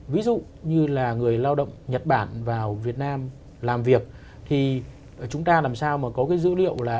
ví dụ như là người lao động nhật bản vào việt nam làm việc thì chúng ta làm sao mà có cái dữ liệu là